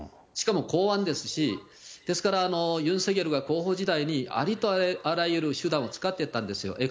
しかも公安ですし、ですから、ユン・ソギョルが候補時代に、ありとあらゆる手段を使ってたんですよ。